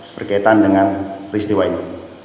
berkaitan dengan peristiwa ini